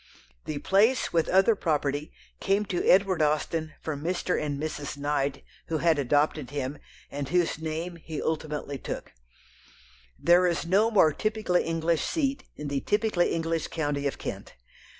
The place, with other property, came to Edward Austen from Mr. and Mrs. Knight, who had adopted him, and whose name he ultimately took. There is no more typically English seat in the typically English county of Kent.